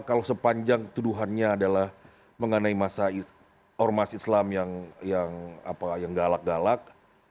kalau sepanjang tuduhannya adalah mengenai masa ormas islam yang galak galak